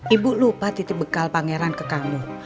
ibu lupa titip bekal pak nyeran ke kamu